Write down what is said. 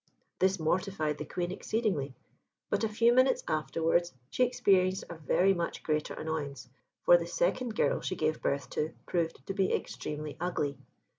This mortified the Queen exceedingly; but a few minutes afterwards she experienced a very much greater annoyance, for the second girl she gave birth to, proved to be extremely ugly.